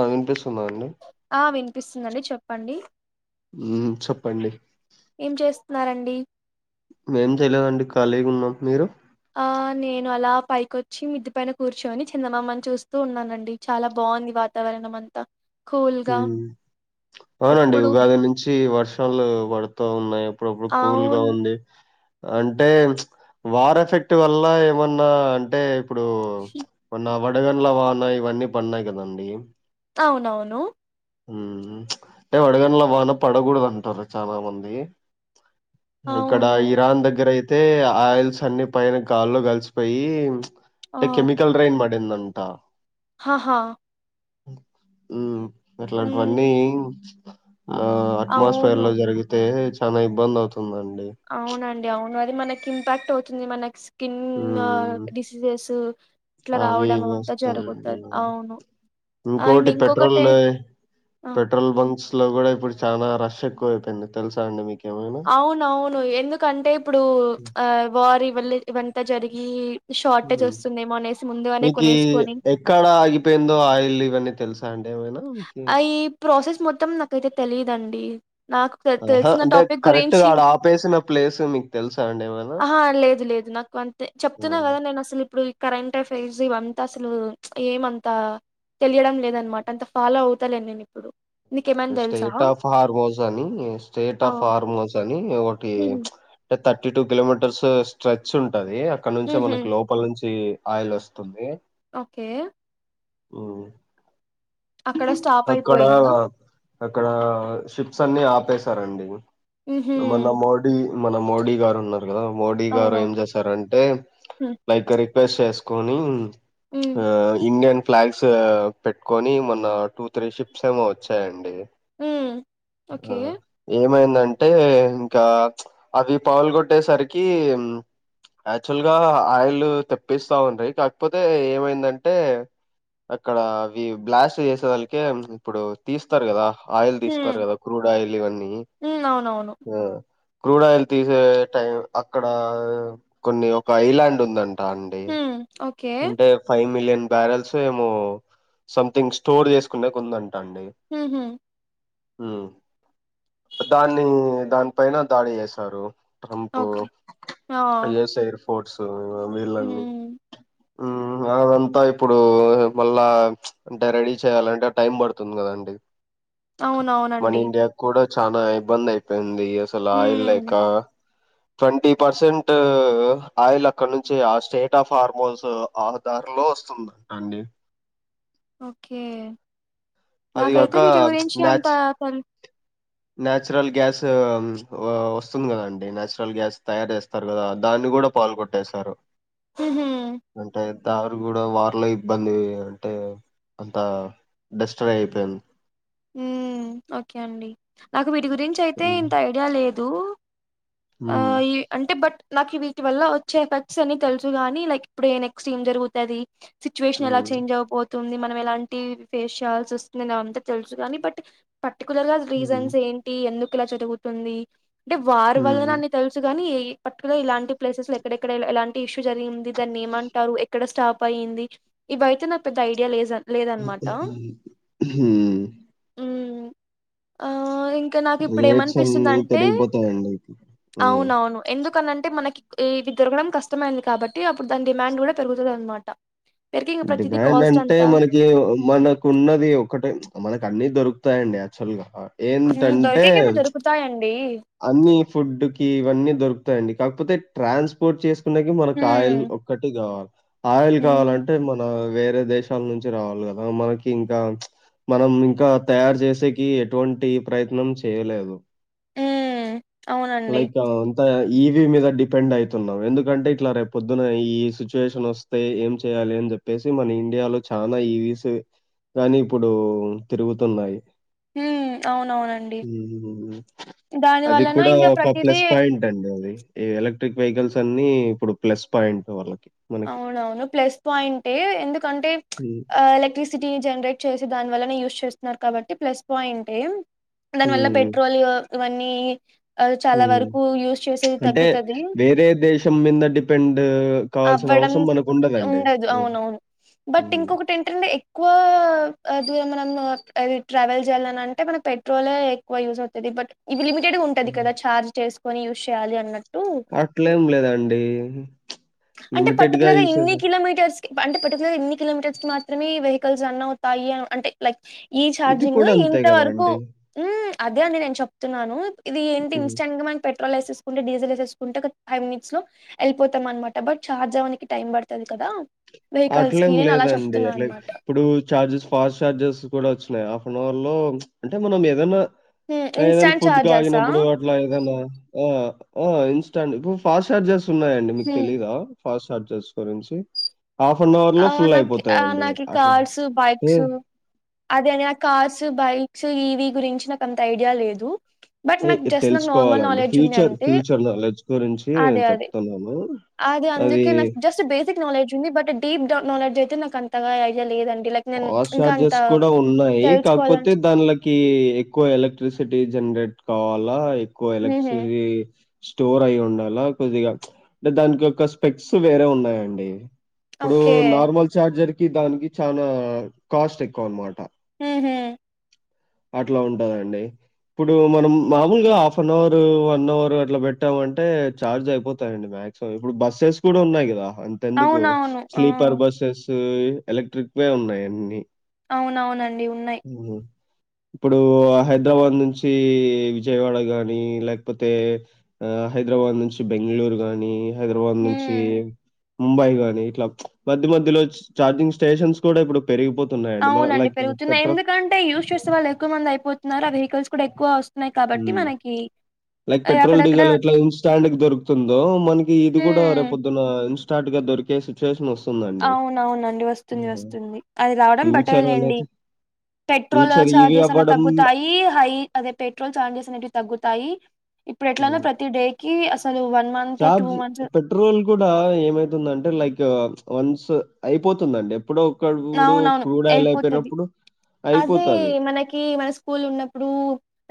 ఆ వినిపిస్తుందా అండి ఆ వినిపిస్తుందండి చెప్పండి మ్మ్ చెప్పండి ఏం చేస్త [inaudible] ఉన్నారండి ఏం చెయలేదండి ఖాళీగా ఉన్నాం మీరు ఆ నేను అలా పైకొచ్చి మిద్ది పైన కూర్చొని చందమామని చూస్తూ ఉన్నానండి చాలా బాగుంది వాతావరణం అంతా కూల్గా హ్మ్ అవునండి ఎప్పుడు ఉగాది నుంచి వర్షాలు పడు తూ ఉన్నాయి. అప్పుడప్పుడు కూల్ గా అవును ఉంది. అంటే ప్చ్ వార్ ఎఫెక్ట్ వల్ల ఏమన్నా అంటే ఇప్పుడు కొన్న [inaudible] వడగళ్ల వానా ఇవన్నీ పడినాయి కదండి. అవునవును హ్మ్ అంటే వడగండ్ల వాన పడకూడదు అంటారు చాలా మంది ఇక్కడ అవును ఇరాన్ దగ్గర అయి అతే ఆయిల్స్ అన్ని పైన గాల్లో కలిసిపోయి. ఎకిమికెల్ రెన్ మాట్. ఎందంట. హాహా. ఉమ్. మ్మ్ అట్లాంటివన్నీ. ఆ అట్మాస్ఫియర్ అవును లో జరిగితే. చానా ఇబందవుతు. అవునండి అవును త్. మనకి ఇంపార్ట్ అవుతుంది మనక్స్. కిన్ మా హ్మ్. ట్. డీస్ లేసు. అవి ఇవి వొస్తాయి, అవును అండ్ ఇంకోకటి ఇంకొకటి పెట్రోల్లే ఆ పెట్రోల్ బంక్స్ లో కూడా, ఇప్పుడు చనా. రష్ ఎక్కువ అయిపోయింది తెలుసా అండి మీకి. అవునవును ఎందుకంటే, ఇప్పుడు ఆ వారీ వల్లె, ఇవంతా జరిగి. ఈ. మీకు కొనేసుకొని ఎక్కడా ఆగిపోయిందో ఆయిల్ ఇవన్నీ తెలుస. ఐ ఈ ప్రాసెస్ మొత్తం నాకైతే తెలియదండి. నాకు ఆహా! తెలిసిన అంటే టాపిక్ కరెక్ట్‌గా గురించి, ఆడ ఆపేసిన ప్లేస్ మీకు తెలుసా అండి ఏమైనా? ఆహ లేదు లేదు నాకు అంతే చెప్తున్నా ఆ! కదా నేను అసలు ఇప్పుడు, ఈ కరెంట్ ఫెజివ్ ఇవ. అసలు ఏమంతా తెలియడం లేదన్నమాట అంత. ఫాలో అవుతాలేన్ నేను ఇప్పుడు. స్టేట్ ఆఫ్ హార్మోస్ అని స్టేట్ ఆ! ఆఫ్ హార్మోస్ అని ఒకటి హుహు. అంటే. థట్టి టూ కిలోమీటర్స్ స్ట్రెచ్ ఉ. ఉంటది అక్కడ నుంచే హుహు. మనకి లోపల నుంచి. ఆయిల్ వొస్తుంది. ఓకే. ఉమ్. అక్కడ స్టాప్ అయిపోయిందా. అక్కడ షిప్స్ అన్ని ఆపేశారండి. హుహు. మన మోడి. మన మోడీ గారు ఉన్న. కదా మోడీ గారు ఏం అవునవును. చేశారంటే, హ్మ్. లైక్ర అది. పేస్ చేసుకొని. హ్మ్. ఆ ఇండియన్. ఫ్లాగ్స్ పెట్టుకొని మన టూ త్రీ షిప్స్ ఏమో వచ్చాయండి హ్మ్ ఆ ఓకే. ఏమైందండి అంటే ఇంకా అవి పాగల కొట్టేసరికి యాక్చువల్ గా ఆయిల్ తెప్పిస్తా ఉండ కాకపోతే ఏమైందంటే అక్కడ అవి బ్లాస్ట్ చేసేదళికే ఇప్పుడు తీస్తారు కదా ఆయిల్ హ్మ్. తీస్తారు కదా క్రూడ్ ఆయిల్ ఇవన్నీ హ్మ్. అవునవును. ఆ క్రూడ్ ఆయిల్ తీసే టైం అక్కడ కొన్ని ఒక ఐలాండ్ ఉందంట అండి హమ్ అంటే ఫైవ్ మిలియన్ బ్యారెల్స్ ఏమో సంథింగ్ స్టోర్ చేసుకునేకు ఉంద ఉహుమ్ ఉమ్ దాని దాని పైన దాడి చేస్తారు. Trump okay. ట్రై చేస్తా స్పోర్ట్స్ హమ్ అదంతా ఇప్పుడు మళ్ళా అంటే రెడీ చేయాలంటే టైం పడుతుంది కదాండి అవునవునండి చాలా ఇబ్బంది అయిపోయింది ఇగ అసలు ఆయిల్ లేక హ్మ్. ట్వంటీ పర్సెంట్ ఆయిల్ అక్కడ నుంచి ఆ స్టేట్ ఆఫ్ ఫార్మోస్ ఆధార లో వస్తుందంట అండి ఓకే నాకైతే అదిగాక వీటి గురించి ఎంత నాచ్ తేల్ నాచురల్ గ్యాస్ వస్తుంది కదండి నాచురల్ గ్యాస్ తయారు చేస్తారు కదా దాన్ని కూడా పాల్గోట్టేేశారు ఉహుమ్ కారు కూడా వార్ లో ఇబ్బంది అంటే అంత డిస్ట్రియ్ అయిపోయింది ఉమ్ ఓకే అండి నాకు వీటి గురించి అయితే హ్మ్ ఇంత ఐడియా లేదు తూ ఆ హ్మ్ ఈ అంటే బట్ నాకు వీటి వల్ల వచ్చే ఎఫెక్ట్స్ అని తెలుసుగాని లైక్ ఇప్పుడే నెక్స్ట్ ఏం జరుగుతది సిచువేషన్ ఎలా చేంజ్ హ్మ్ అవ్వబతో తుంది మనం ఎలాంటి ఫేస్ చేయాల్సి వస్తుంది అంత తెలుసు కానీ బట్ పట్ టెక్నాలజికా రిజన్స్ ఏంటి ఎందుకు [inaudible] చదువుతుంది. అంటే వారి వల్లన అని తెలుసు గని ఏ పర్టికులర్ ఇలాంటి ప్లేసెస్ ఇక్కడెక్కడ ఎలాంటి ఇష్యూ జరిగి ఉంది దాన్ని ఏమంటారు ఎక్కడ స్టాప్ అయ్యింది ఇవి అయితే నాక్ పెద్ద ఐడియా లేదం మ్ ఆ ఇం రేట్స్ అన్ని పెరిగిపోతాన్నయండి మ్ కనంటే మనకి ఇవి దొరకడం కష్టమైంది కాబట్టి అప్పుడు దాని డిమాండ్ కూడా పెరుగుతదన్నమాట డిమాండ్ అంటే మనకి మనకున్నది ఒకటే మనకు అన్నీ దొరుకుతాయండి యాక్చువల్గా దొరికేకేమో దొరుకుతాయండి. అన్ని ఫుడ్ కి ఇవన్నీ దొరుకుతాయండి కాకపోతే ట్రాన్స్పోర్ట్ చేస్ కునేకి మనకి ఆయిల్ హ్మ్. ఒక్కటి కావాలి ఆయిల్ హ్మ్. కావాలంటే మనా వేరే దేశాల నుంచి రావాలి కదా మనకి ఇంకా మనం ఇంకా తయారు చేసేకి ఎటువంటి ప్రయత్నం చేయలేదు. హ్మ్. అవునండి. లైక్ ఆ అంతా ఈవీ మీద డిపెండ్ అవుతున్నాం ఎందుకంటే ఇట్లా రేప్ పొద్దున ఈ సిచ్యువేషన్ వస్తే ఏం చెయాలి అని చెప్పేసి మన ఇండియాలో చాలా ఈవిస్ గాని ఇప్పుడు తిరుగుతున్నాయి. హ్మ్ అవునవునండి హ్మ్. దాని అది వలన కూడా ఇంగ ఒక ప్రతిదీ ప్లస్ పాయింట్ అండి ఈ ఎలక్ట్రిక్ వెహికల్స్ అన్ని ఇప్పుడు ప్లస్ పాయింట్ వాళ్ళకి మనకి. అవునవును ప్లస్ పాయింటే ఎందుకంటే హ్మ్. ఎలక్ట్రిసిటీ జనరేట్ చేసి దాని వల్లనే యూస్ చేస్తున్నారు కాబట్టి ప్లస్ పాయింటే దాని వల్ల హ్మ్. పెట్రోల్ ఇవన్నీ ఆహ్, చాలా వరకు యూజ్ చేసేది అంటే తగ్గుతది. వేరే దేశం మీద డిపెండ్ కావాల్ అవ్వడం ఉండ అవునవును బట్ హ్మ్. ఇంకొకటి ఏంటంటే ఎక్కువా మనం ట్రావెల్ చేయాలనంటే మనక్ పెట్రోలే ఎక్కువ యూజ్ అవుతది బట్ ఏది లిమిటెడ్ ఉంటది హ్మ్. కదా చార్జ్ చేస్ కొని యూజ్ చేయాలి అన్నట్ అట్లేం లేదండి. అంటే లిమిటెడ్‌గా పర్టికులర్గా ఇన్ని యూసేజ్ కిలోమీటర్ అంటే పర్టికులర్ ఇన్ని కిలోమీటర్స్కి మాత్రమే ఈ వెహికల్స్ రన్ అవుతాయి అని అంటే లైక్ ఈ ఇది ఛార్జింగ్ కూడా అంతే ఇంత వరకూ గదండీ! అదే అని నేను చెప్తున్నాను ఇది ఏంటి హ్మ్. ఇన్స్టంట్గా మన పెట్ట పెట్రోల్ యేసుకుంటే డీజల్ వేకుంటే ఒక ఫైమినిట్సలో వెళ్ళపో అనమాట బట్ ఛార్జ్ అవ్వడానికి టైమ్ పడుతది కదా వెహికల్స్‌కి అట్లేం నేను అలా లేదండి చెప్తున్నా ఇట్ల అనమాట. ఇప్పుడు చార్జెస్ ఫాస్ట్ చార్జెస్ కూడా వచ్చా నాయ్ హాఫ్ అన్ అవర్లో అంటే మనం ఏదైనా హ్మ్. ఏదైనా ఇన్‌స్టాంట్ ఫుడ్ ఛార్జర్సా? కాగినప్పుడు అట్ల ఏదైనా ఆ ఇన్స్టాంట్ ఇ ఫాస్ట్ చార్జెస్ ఉన్నాయియండి మీకు హ్మ్. తెలీదా ఫాస్ట్ సడ్జస్ంచి హాఫ్ అన్ అవర్ లో ఆహ్, ఫుల్ నాకి ఆహ్, అయిపోతాయండి నాకి అట్లా కార్స్, బైక్స్ అదే అనే ఆ కార్స్ బైక్స్ ఇవి గురించి నాకు అంత ఐడియా లేదు బట్ హే నాకు ఇద్ జస్ట్ నాకు నార్మల్ తెలుసుకోవాలండి నాలెడ్జ్ ఉంది ఫ్యూచర్ అంటే ఫ్యూచర్ నాలెడ్జ్ గురించి నేన్ అదే అదే చెప్తానాన్ను అదే అది అందుకే ట నాలెడ్జ్ అయితే నాక్ అంతగా ఐడియా లేదండ్ పాస్ చార్జెస్ కుడా ఉన్నాయి కాక్పోతే తెలుసుకోవాలని దాన్డ్కీ ఎక్కువ ఎలక్ట్రిసిటీ జన్రేట్ కావాల్లా అయి కో హుహు. ఎలక్ట్రిసిటీ స్టోర్ అయి ఉండల కొద్దిగ అంటే దాన్కి ఒక స్పెట్స్ వేరే ఉన్నాయండి. ఇప్పుడు ఓకే. నార్మల్ చార్జర్ కి దానికి చానా ఆ కాస్ట్ ఎక్కువ అన్మాట హమ్మ్ అట్ల ఉంటదండి ఇప్పుడు మనం మామూల్గా half an hour one hour అట్ల పెట్టామంటే ఛార్జ్ అయిపోతయండి మ్యాక్సిమం ఇప్పుడు బస్సెస్ కుడా ఉన్నాయి గదా అంతెందుకు అవునవును. ఆ! స్లీపర్ బస్సెస్ వే ఎలక్ట్రిక్ వే ఉన్నయి అన్నీ అవునవునండి ఉన్నయి హ్మ్. ఇప్పుడు హైద్రాబాద్ నుంచీ విజయవాడ గాని ల్యాక్పోతే ఆ హైద్రాబాద్ నుంచి బెంగ్ళూరు గాని హైదరబాద్ నుంచి హ్మ్. ముంబై గాని ఇట్ల మధ్య మధ్యలో చార్జింగ్ స్టేషన్స్ కుడ ఇప్పుడు పెరిగిపోతున్నాయండి మన అవునండి లైక్ పెరుగుతున్నాయి పెట్రోల్ ఎందుకంటే యూజ్ చేసే వాళ్ లే ఎక్కువ మంది అయిపోతున్నారు ఆ వెహికల్ కుడా ఎక్కువ స్ ఉమ్ లైక్ పెట్రోల్ అక్కడక్కడ డీజల్ ఎట్లా ఇన్స్టాండ్గ దొరుకుతుందో మనకి ఇది గుడా హ్మ్. రేపొద్దున ఇన్ష్ చాటుగా దొరికే సిచువేషన్ ఒస్ అవునవునండి వస్తుంది వస్తుంది అది రావడం ఫ్యూచర్ బెటరేలేండి, అనేది పెట్రోల్ ఫ్యూచర్ ఇవి చార్జెస్ అన్నా అవ్వడం తగ్గుతాయి హై అదే పెట్రోల్ చార్జెస్ అనేటివి తగ్గుతాయి ఇప్పుడు ఎట్లన్నా హ్మ్. ప్రతి డే కీ అస్ చార్జ్ పెట్రోల్ కుడా ఏమైతుందంటే లైక్ వన్స్ అయిపోతుందండి ఎప్పుడో ఒకప్పుడు అవునవును క్రూడ్ ఆయిల్ ఎయిపోతది, అయిపోయినప్పుడు అదే అయిపోతది. మనకి మన స్కూల్ ఉన్నప్పుడు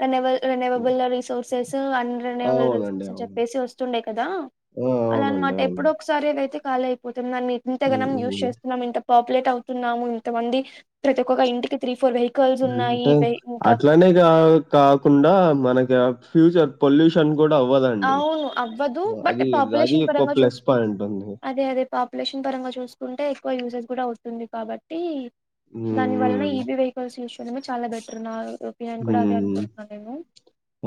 రనవల్ హ్మ్. రనవబుల్ రీసోర్ సు అన్ రెనెవల్ అవునండి. రీసోర్స్ అని అవును. చెప్పేసీ వస్తుండే కదా ఆ! అలా అవునండి. అన్మాట అవును. ఎప్పుడో ఒకసారి అదైతే ఖాళీ అయిపోత్ తున్నన్ మీ హ్మ్. ఇంతేగనం యూజ్ హ్మ్. చేస్తున్నాం ఇంట పోపు లెట్ అవ్ తున్నాము ఇంతమంది ప్రతి ఒకొక్క ఇంటికి త్రీ ఫోర్ వెహిక్ అంటే అట్లానే కా కాకుండా మనకి ఫ్యూచర్ పొల్యూషన్ కూడా అవ్వదండి. అవును అవ్వదు బట్ అది అది పాపులేషన్ ఒక పరంగా చూ ప్లస్ పాయింట్ ఉంది. అదే అదే పాపులేషన్ పరంగా చూసుకుంటే ఎక్కువ యూసెస్్ కూడా వస్తుంది కాబట్టి దాని వలన హ్మ్. ఈవి వెహికల్స్ ఇ చాలా బెటర్ నా ఒపీనియన్ కూడా అదే అనుకుంటున్నాను నేను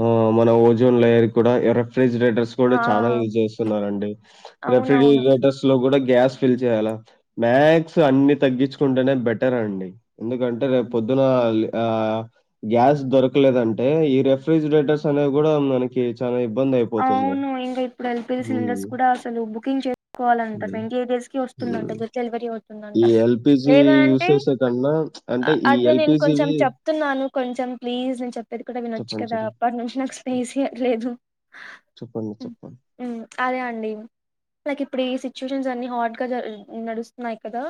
ఆ మన ఓజోన్ లేయర్ కూడా ఎర రిఫ్రిజిరేటర్స్ కూడా ఆ చాలా యూజ్ చేస్తున్నారుారండి అవునవును రిఫ్రిజిరేటర్స్ లో కూడా గ్యాస్ ఫిల్ చేయాలా మ్యాక్్స్ అన్ని తగ్గించుకుంటేనే బెటర్ అండి ఎందుకంటే రేపు పొద్దున ఆహ్ హా గ్యాస్ దొరకలేదంటే ఈ రెఫ్రిజిరేటర్స్ అనేవి కూడా మనకి చాలా ఇబ్బందయిపోతుంది. అవును ఇంకా ఇప్పుడు ఎల్పిజి సిలిండర్స్ హ్మ్. కూడా అసలు బుకింగ్ చేసుకోవాలంట హ్మ్. ట్వంటీ ఎయిట్ డేస్ కి వస్తుందంట హ్మ్. డెలివరీ అవుతుందంట ఈ ఎల్‌పీజీ లేద అంటే యూసేజ్ కన్నా అంటే ఈ అదే నేను కొంచెం ఎల్‌పీజీవి చెప్తున్నాను కొంచెం ప్లీజ్ నేను చెప్పేది కూడా విన నొచ్చు చెప్పండి. కదా చెప్పండి. అప్పటి నుంచి నాకు స్పేస్ లేదు చెప్పండి. చెప్పండి. అదే అండి నాకు ఇప్పుడు సిట్యుయేషన్ అన్ని హాట్ గా నడుస్తున్నా్ కదా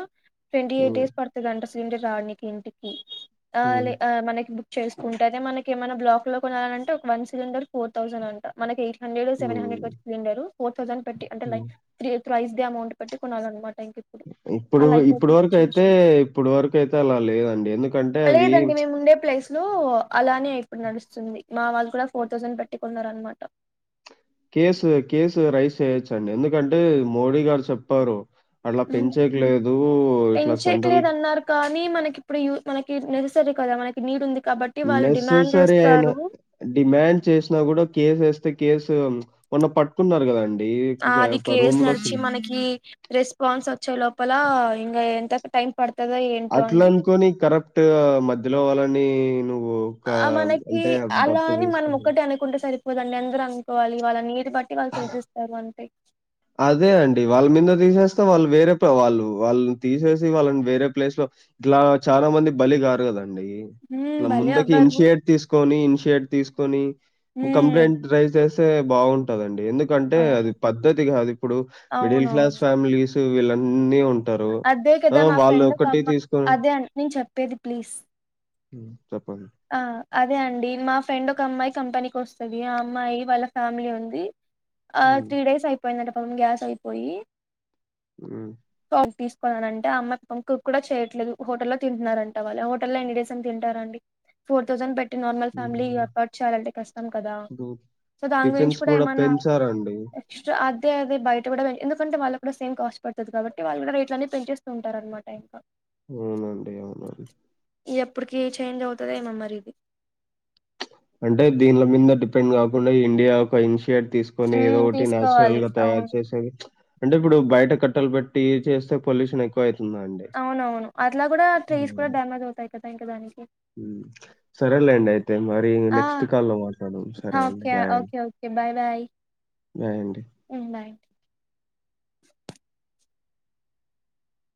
ట్వంటీ హ్మ్. ఎయిట్ ేస్డుతే అంతా స సిలిండర్ రా కంటికి ఆ హ్మ్. ఆ మనకి చేసుకుంటే అద మనక ఏమన్నా బ్లాక్ లో కొనాల అంటే ఒక వన్ సిలిండర్ ఫోర్ థౌసండ్ అంట మనకి సెవెన్ హండ్రడ్ హ్మ్. వచ్చిలిండరు వాటర్ అండ్ పెట్టి అంటే హ్మ్. లైక్ త్రీ ప్రైస్డ్ అమౌంట్ పట్టి కొనాల్ అన్నమాట ఇప్పుడు ఇప్పుడు వరకు అయితే ఇప్పుడు వరకు అయితే అలా లేదండి ఎందుకంటే అవి లేదండి మేము ఉండే ప్లేస్ లో అలానే ఇప్పుడు నడుస్తుంది మా వాళ్ళు కూడా ఫోర్ థౌసండ్ పెట్టి కోన్నార్ అనమాట కేస్ కేసు రైస్ చేయొచ్చండి ఎందుకంటే మోడీ గారు చెప్పారు అట్లా పెంచేకి హ్మ్. లేదు. ఇట్లా సెంట్రల్ పెంచయట్లేదు అన్నారు కానీ మనకి ఇప్పుడు ఉ మనకి నిర్స్ [unintelligible] కద మన నీడ్ ఉంది కాబట్టి వాళ్ళు డిమాండ్ నేస్ససర్రి అయినా చేస్తారు డిమాండ్ చేసినా కూడా కేసు ఎస్ తే కేసు మొన్న పట్టుకున్నారు కదాండ్ ఆ అది కేస్ నడిచి మనకి రెస్పాన్స్ వచ్చే లోపల ఇంగ ఎంత కి టైం పడుతదో ఏంటో అట్లా అండి అనుకోని కరప్ట్ మధ్యలో అలం నేను ఆ మనకి అలాని మనం తీసుకుని ఒక్కటె అనుకుంటే సరి పోదండి అందరూ అనూకోవాలి వల్ల నీడ్ బట్టి వాళ్ళు చేసేస్తారు అంటే అదే అండి వాళ్ళ నిన్న తీసేస్తే వాళ్ళు వేరే వాళ్ళు వాళ్ళని తీసేసి వాళ్ళని వేరే ప్లేస్ లో ఇట్లా చాలా మంది బలి గారుగద అండి హ్మ్ ఇలా భలే ముందకి అవ్వారు ఇనిషియేట్ తీసుకొని [unintelligible] తీసుకొని హ్మ్ కంప్లెంట్ రైస్ చేస్ తే బాగుంటదండి ఎందుకంటే అది అవును పద్దతి కాదు ఇప్పుడు మిడిల్ క్లాస్ అవునవును ఫ్యామిలీస్ వెళ్ళన్నీ ఉం అదే కదా మా ఫ్రెండ్ ఒక అమ్మ తీసుకొని అదే నేను చెప్పేది ప్లీజ్ మ్మ్ చెప్ ఆ అదే అండి మా ఫ్రెండ్ ఒక అమ్మాయి కంపెనీకి వస్తుంది ఆ అమ్మాయి వాళ్ళ ఫ్యామిలీ ఉంది ఆ హ్మ్. త్రీ డేస్ అయిపోయిందట అవున్ గ్యాస్ అయిపోయి మ్మ్ తీసుకు అంటే ఆ అమ్మా కు కూడా చేయట్లేదు హోటల్లో తిున్నారంట వాళ్ళు హోటల్లో ఎన్ని డేస్ ఏం తింటారండి ఫోర్ థౌసండ్ పెట్ నార్మల్ ఫ్యామిలీ హ్మ్. ఎఫ్ఫోర్డ్ చేయాలంటే కష్టం కదా ఇప్పుడు సో దాని గురించి టిఫిన్స్ కూడా గూడా ఏమన్నా పెంచారండి. ఎస్ట్రా తే అది బయట కూడా ఎందుకంటే వాళ్ళ కూడా సేమ్ కాస్ట్ పండ్ [unintelligible] వాళ్ళు కూడా రేట్లని పెంచేస్తు ఉంటారనమాట ఇంకా అవునండి అవునండి ఎప్పటికి చేంజ్ అవ్తుందో ఏమో మరి ఇది అంటే దీన్ల మీద డిపెండ్ కాకుండా ఇండియా ఒక ఇన్షియేట్ తీసుకొని ఏదో ఉమ్ ఒకటి నేచురల్ తీసుకోవాలి గా తయారు అవును చేసేది అంటే ఇప్పుడు బయట కట్కునేది బట్టలు బట్టి చేస్తే పొల్యషన్ ఎక్కువ అయింది అవున అవును అట్లా కూడా ట్రీస్ కూడా డామేజ్ అవుతాయి కదా ఇంక దానికి మ్ సరేలేండి అయితే మరి ఆ నెక్స్ట్ కాల్లో మాట్లాడము సరే ఆ! అండి ఓకే బాయ్ అండి okay okay bye bye bye అండి హ్మ్. బాయ్